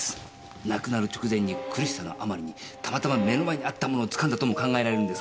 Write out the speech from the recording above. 亡くなる直前に苦しさのあまりにたまたま目の前にあったものを掴んだとも考えられるんですが。